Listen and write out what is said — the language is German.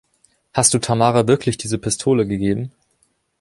Hast du Tamara wirklich diese Pistole gegeben?